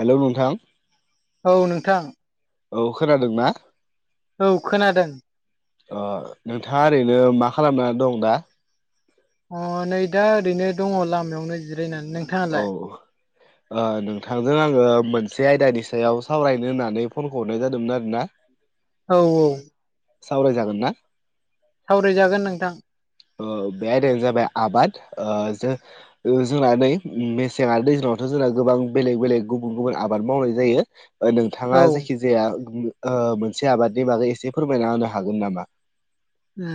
Hello नोंथां। औ नोंथां। औ खोनादों ना? औ खोनादों। अ नोंथाङा ओरैनो मा खालामनानै दं दा? अ नै दा ओरैनो दङ लामायावनो जिरायनानै। औ। नोंथाङालाय आ नोंथांजों आङो मोनसे आयदानि सायाव सावरायनो होननानै फनखौ हरनाय जादोंमोन आरो ना। औ औ। सावराय जागोन ना? सावराय जागोन नोंथां। ओ आयदायानो जाबाय आबाद। ओ जों ओ जोंना नै मेसें आरो दैज्लाङावथ' जोंना गोबां बेलेग बेलेग गुबुन गुबुन आबाद मावनाय जायो। औ नोंथाङा जायखिजाया ओ मोनसे आबादनि बागै एसे फोरमायना होनो हागोन नामा? ओ।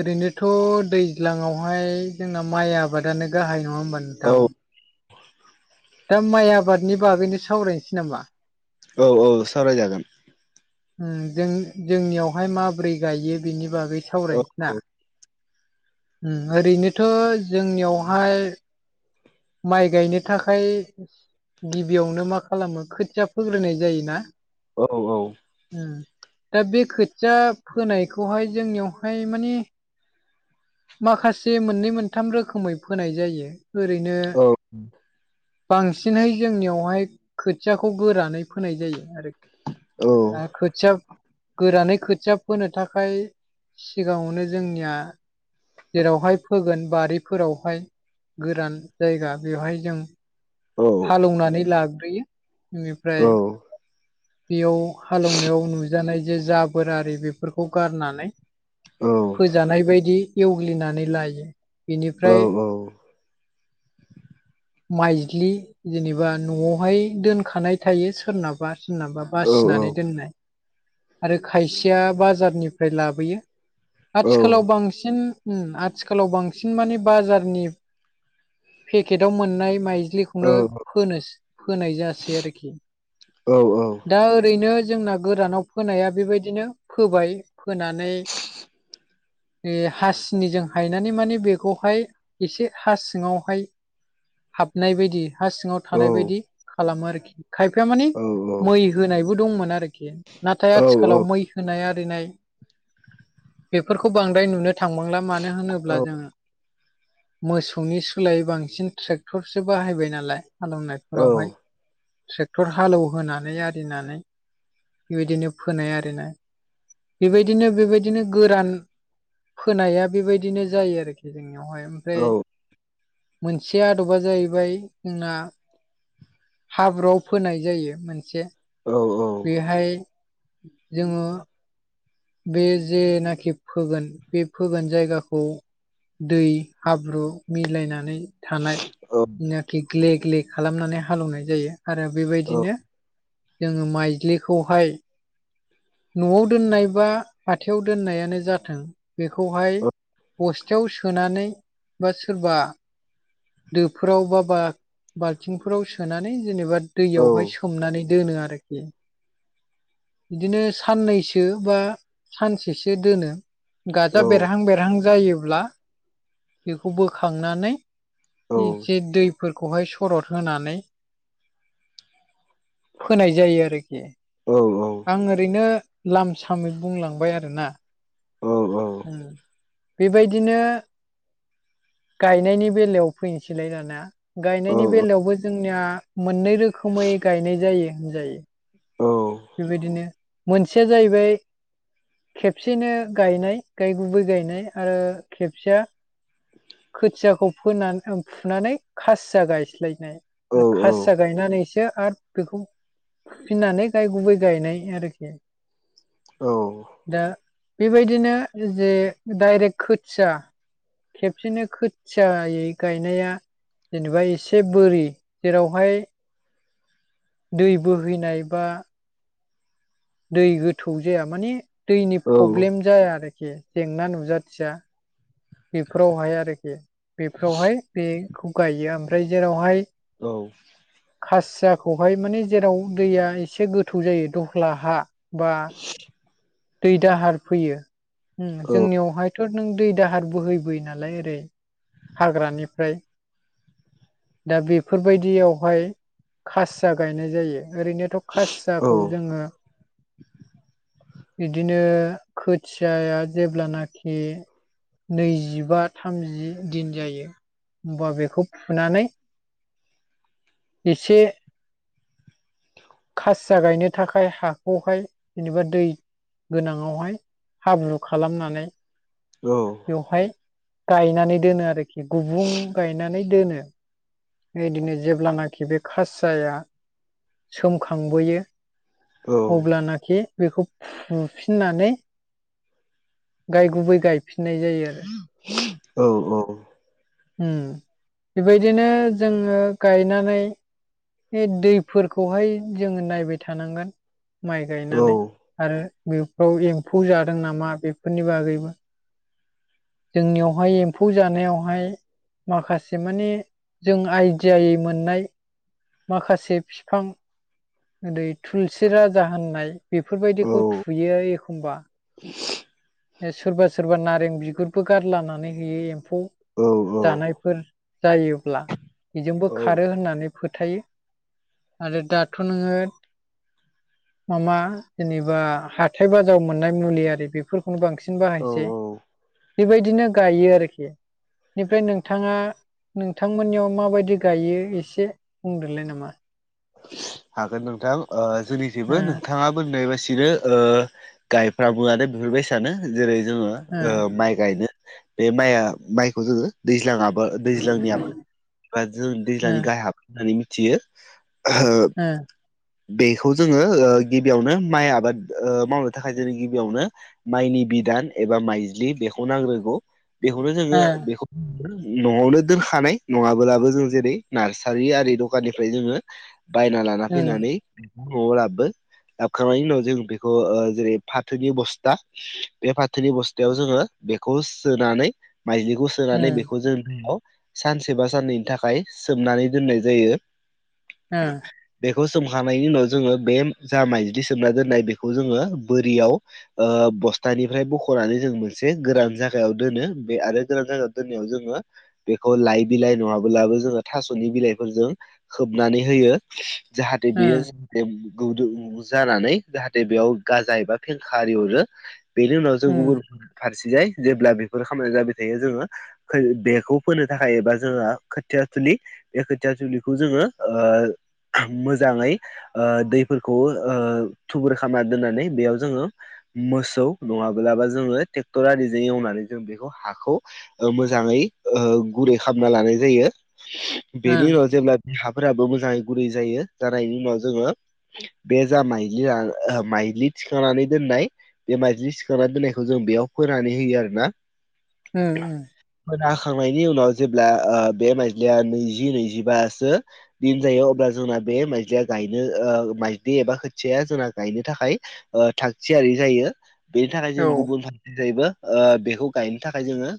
ओरैनोथ' दैज्लाङावहाय जोंना माइ आबादानो गाहाय नङा होनोमबा औ नोंथां। दा माइ आबादनि बागैनो सावरायनोसै नामा? औ औ सावराय जागोन। जों जोंनियावहाय माब्रै गायो बेनि बागै औ सावरायनोसै ना? औ ओ ओरैनोथ' जोंनियावहाय माइ गायनो थाखाय गिबियावनो मा खालामो खोथिया फोग्रोनाय जायोना? औ औ। ओ दा बे खोथिया फोनायखौहाय जोंनियावहाय मानि माखासे मोननै मोनथाम रोखोमै फोनाय जायो ओरैनो औ बांसिनहै जोंनियावहाय खोथियाखौ गोरानै फोनाय जायो आरोखि। दा खोथिया गोरानै खोथिया फोनो थाखाय सिगाङावनो जोंनिया जेरावहाय फोगोन बारिफोरावहाय गोरान जायगा बेवहाय जों औ हालौनानै लाग्रोयो बेनिफ्राय औ औ बेयाव हालौनायाव नुजानाय जे जाबोरारि बेफोरखौ गारनानै। औ फोजानाय बायदि एवग्लिनानै लायो बेनिफ्राय औ [inaudible] माइज्लि जेनेबा न'आवहाय दोनखानाय थायो सोरनाबा सोरनाबा बासिनानै दोननाय। आरो खायसेया बाजारनिफ्राय लाबोयो आथिखालाव बांसिन ओ आथिखालाव बांसिन माने बाजारनि पेकेटाव मोननाय माइज्लिखौनो फोनो फोनाय जासै आरखि। औ औ। दा ओरैनो जोंना गोरानाव फोनाया बेबायदिनो फोबाय। फोनानै हास सिनिजों हायनानै माने बेखौहाय एसे हा सिङावहाय हाबनाय बायदि हा सिङाव थानाय बायदि खालामो आरोखि। खायफाया मानि मै होनायबो दंमोन आरोखि। नाथाय आथिखालाव मै होनाय आरिनाय बेफोरखौ बांद्राय नुनो थांबांला। मानो होनोब्ला जों मोसौनि सोलायै बांसिन ट्रेक्टरसो बाहायबाय नालाय हालेवनाय। फोरावहाय ट्रेक्टर हालेवहोनानै आरिनानै। बेबायदिनो फोनाय आरोना बेबायदिनो बेबायदिनो गोरान फोनाया बेबायदिनो जायो आरोखि जोंनियावहाय ओमफ्राय मोनसे आदबा जाहैबाय जोंना हाब्रुआव फोनाय जायो मोनसे औ औ बेहाय जोङो बे जेनाखि फोगोन बे फोगोन जायगाखौ दै हाब्रु मिलायनानै थानाय ग्ले ग्ले खालामनानै हालेवनाय जायो आरो बेबायदिनो जोङो माइज्लिखौहाय न'आव दोननाय बा हाथायाव दोननायानो जाथों बेखौहाय बस्थायाव सोनानै बा सोरबा दोफोराव बा बा बाल्थिंफोराव सोनानै जेनेबा दैयावहाय सोमनानै दोनो आरोखि बिदिनो साननैसो बा सानसेसो दोनो गाजा बेरहां बेरहां जायोब्ला बेखौ बोखांनानै औ एसे दैफोरखौहाय सरद होनानै फोनाय जायो आरोखि औ औ आं ओरैनो लाम सामै बुंलांबाय आरोना उम बेबायदिनो गायनायनि बेलायाव फैनोसैलाय दाना गायनायनि बेलायावबो जोंनिया मोननै रोखोमै गायनाय जायो होनजायो औ बेबायदिनो मोनसेया जाहैबाय खेबसेनो गायनाय गाय गुबै गायनाय आरो खेबसेया खोथियाखौ फोन फुनानै खासिया गायस्लायनाय आरो खासिया गायनानैसो आरो बेखौ फुफिनानै गाय गुबै गायनाय आरोखि औ दा बेबायदिनो जे दडाइरेक्ट खोथिया खेबसेनो खोथियायै गायनाया जेनेबा एसे बोरि जेरावहाय दै बोहैनाय बा दै गोथौ जाया माने दैनि प्रब्लेम जाया आरोखि जेंना नुजाथिया बेफोरावहाय आरोखि। बेफोरावहाय बेखौ गायो ओमफ्राय जेरावहाय औ खासियाखौहाय माने जेराव दैया एसे गोथौ जायो दला हा बा दै दाहार फैयो जोंनियावहायथ' नों दै दाहार बोहैबोयो नालाय ओरै हाग्रानिफ्राय दा बेफोरबायदियावहाय खासिया गायनाय जायो ओरैनोथ' खासियाखौ जोङो बिदिनो खोथियाया जेब्लानाखि नैजिबा थामजि दिन जायो होमबा बेखौ फुनानै एसे खासिया गायनो थाखाय हाखौहाय जेनेबा दै गोनाङावहाय हाब्रु खालामनानै औ बेवहाय गायनानै दोनो आरोखि। गुबुं गायनानै दोनो इदिनो जेब्लानाखि बे खासियाया सोमखांबोयो अब्लानाखि बेखौ फुफिननानै गाय गुबै गायफिननाय जायो आरो औ औ। बेबायदिनो जोङो गायनानै बे दैफोरखौहाय जोङो नायबाय थानांगोन माइ गायनानै। आरो बेफोराव एम्फौ जादों नामा बेफोरनि बागैबो जोंनियावहाय एम्फौ जानायावहाय माखासे माने जों आइडियायै मोननाय माखासे बिफां ओरै थुलसि राजा होननाय बेफोरबायदिखौ थुयो एखमबा। [inaudible] ओ सोरबा सोरबा नारें बिगुरबो गारलानानै होयो एम्फौ जानाय फोर जायोब्ला बेजोंबो खारो होननानै फोथायो आरो दा थ' नोङो [unintelligible] माबा जेनेबा हाथाय बाजाराव मोननाय मुलिआरि बेफोरखौनो बांसिन औ बाहायसै। औ बेबायदिनो गायो आरोखि। बेनिफ्राय नोंथाङा, नोंथांमोननियाव माबायदि गायो एसे बुंदोलाय नामा? हागोन नोंथां ओ जोंनिखैबो ओ नोंथाङा होननाय बायसिनो ओ गायफ्रामो आरो बेफोरबायसानो जेरै जोङो ओ माइ ओ गायनो बे माइआ माइखौ जोङो दैज्लां आबा दैज्लांनि आबाद एबा जों दैज्लांनि गाहाय आबाद होननानै मिथियो‌। [unintelligible] ओ। बेखौ जोङो ओ गिबियावनो माइ आबाद ओ मावनो थाखाय जों गिबियावनो माइनि बिदान एबा माइज्लि बेखौ नांग्रोगौ। बेखौनो जोङो ओ बेखौ न'आवनो दोनखानाय, नङाबोलाबो जों जेरै नार्सारि आरि दखाननिफ्राय जोङो बायना लाना ओ फैनानै न'आव लाबो। लाबखांनायनि उनाव जों बेखौ जेरै फाथोनि बस्था बे फाथोनि बस्थायाव जोङो बेखौ सोनानै माइज्लिखौ सो सोनानै ओ बेखौ जों दैयाव सानसे बा साननैनि थाखाय सोमनानै दोननाय जायो। ओ। बेखौ सोमखांनायनि उनाव जोङो बे जा माइज्लि सोमना दोननाय, बेखौ जोङो बोरियाव ओ बस्थानिफ्राय बख'नानै जों मोनसे गोरान जायगायाव दोनो। बे आरो गोरान जायगायाव दोननायाव जोङो बेखौ लाइ बिलाइ नङाबोलाबो जोङो थास'नि बिलाइफोरजों खोबनानै होयो। जाहाथे ओ बेयो [unintelligible] जानानै जाहाथे बेयाव गाजा एबा फेंखाआरि हरो। बेनि उनाव जों ओ गुबुन फारसेजाय जेब्ला बेफोर खामानिया जाबाय थायो जोङो फोयो, बेखौ फोनो थाखाय एबा जोंहा खोथियाथिलि बे खोथिया थिलिखौ जोङो मोजाङै ओ दैफोरखौ ओ थुबुर खालामना दोननानै बेयाव जोङो मोसौ नङाब्लाबो जोङो ट्रेक्टरआरिजों एवनानै जों बेखौ हाखौ ओ मोजाङै ओ गुरै खालामना लानाय जायो। बेनि ओं उनाव जेब्ला हाफोराबो मोजाङै गुरै जायो, जानायनि उनाव जोङो बे जा माइलिया ओ माइलि थिखांनानै दोननाय बे माइज्लि सिखांना दोननायखौ जों बेयाव फोरोनानै होयो आरो ना। ओ ओम। खोना होखांनायनि उनाव जेब्ला ओ बे मायज्लिया नैजि नैजिबासो दिन जायो। अब्ला ब्ला जोंना बे माइज्लिया गायनो ओ माइज्लि एबा खोथियाया जोंना गायनो थाखाय ओ थागथियारि जायो बेनि थाखाय उम औ जों गुबुन फार सेखैबो बेखौ गायनो थाखाय जोङो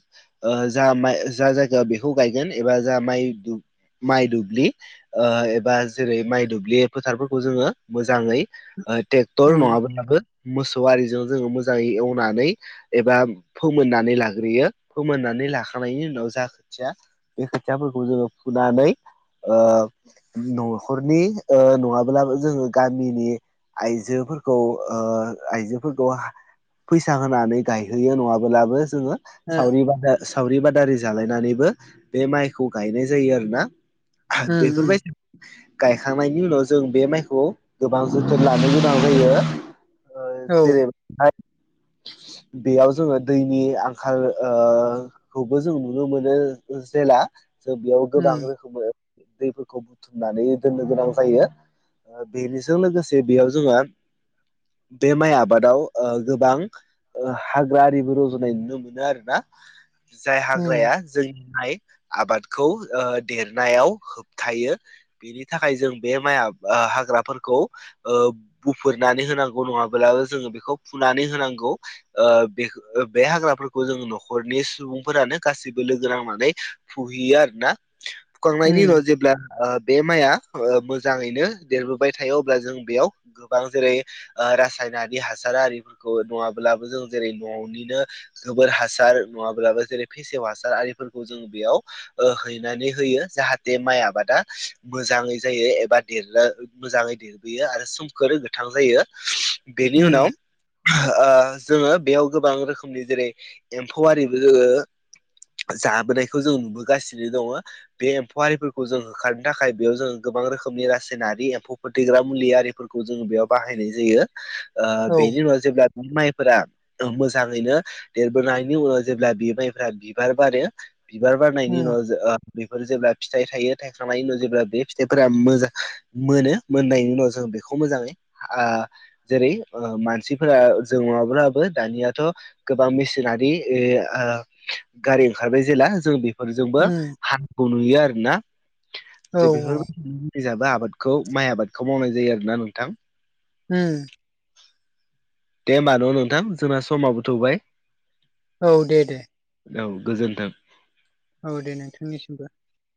ओ जा माइ जा जायगायाव बेखौ गायगोन एबा जा माइ माइ दुबलि ओ बा जेरै माइ दुब्लि फोथारफोरखौ जोङो मोजाङै ट्रेक्टर उम नङाब्लाबो मोसौ आरिजों जोङो मोजाङै एवनानै एबा फोमोननानै लाग्रोयो फोमोननानै लाखांनायनि उनाव जा खोथिया बे खोथियाफोरखौ जोङो फुनानै ओ न'खरनि ओ नङाब्लाबो जोङो गामिनि आइजोफोरखौ ओ आइजोफोरखौ हा फैसा होनानै गायहोयो नङाबोलाबो जोङो सावरि बादा सावरि बादारि जालायनानैबो बे माइखौ गायनाय जायो आरोना। बेफोरबायदि गायखांनायनि उनाव जों बे माइखौ गोबां जोथोन लानो गोनां जायो। ओ उम औ जेरै आय बेयाव जोङो दैनि आंखाल ओ खौबो जों नुनो मोनो जेला जों बेयाव गोबां उम रोखोमै दैफोरखौ थुमनानै दोननो गोनां जायो बेनिजों लोगोसे बेयाव जोंहा बे माइ आबादाव गोबां ओ हाग्रा आरिबो रज'नाय नुनो मोनो आरो ना। जाय उम हाग्राया जोंनिहाय आबादखौ देरनायाव होबथायो। बेनि थाखाय जों बे माइ आब हाग्राफोरखौ बुफुरनानै होनांगौ नङाब्लाबो जोङो बेखौ फुनानै होनांगौ। ओ बे बे हाग्राफोरखौ जों न'खरनि सुबुंफोरानो गाैबो लोगो नांनानै फुहैयो आरो ना फुखांनायनि उम उनाव जेब्ला बे माइआ मोजाङैनो देरबोबाय थायो अब्ला जों बेयाव गोबां जेरै रासायनारि हासार आरिफोरखौ नङाब्लाबो जों जेरै न'निनो गोबोर हासार नङाब्लाबो जेरै फेसेव हासार आरिफोरखौ जों बेयाव हैनानै होयो जाहाथे माइ आबादा मोजाङै जायो एबा देरनो मोजाङै देरो यो आरो समखोर गोथां जायो बेनि उम उनाव जोङो बेयाव गोबां रोखोमनि जेरै एम्फौ आरिबो जोङो जाबोनायखौ जों नुबोगासिनो दङ बे एम्फौआारिफोरखौ जों होखारनो थाखाय बेयाव जों गोबां रोखोमनि रासायनारि एम्फौ फोथेग्रा मुलि आरिफोरखौ जों बेयाव बाहायनाय जायो। औ बेनि उनाव जेब्ला नों माइफोरा मोजाङैनो देरबोनायनि उनाव जेब्ला बिमाइफोरा बिबार बारो। बिबार बारनायनि उम उनाव बेफोर जेब्ला फिथाइ थायो थाइ थांनायनि उनाव जेब्ला बे फिथाइफोरा मोजां मोनो मोननायनि उनाव जों बेखौ मोजाङै ओ जेरै मानसिफोरा जोंङाब्लाबो दानियाथ' गोबां मेसिनारि ए - ओ -गारि ओंखारबाय जेला जों बे फोरजोंबो उम हानखौ नुयो आरोना। औ जे बेफोरबायदिजाबो आबादखौ माइ आबादखौ मावनाय जायो आरो ना नोंथां। हम दे होमबा न' नोंथां जोंना समाबो थौबाय। औ दे दे। औ गोजोन्थों। औ दे नोंथांनिसिमबो।